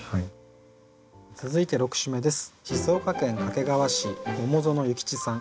続いて６首目です。